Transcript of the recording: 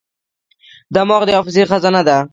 دماغ د حافظې خزانه ده.